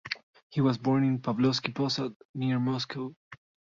He was born in Pavlovsky Posad near Moscow.